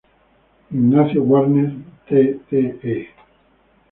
Ignacio Warnes, Tte.